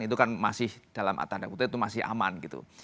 itu kan masih dalam tanda kutip itu masih aman gitu